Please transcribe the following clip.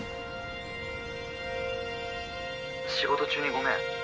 仕事中にごめん。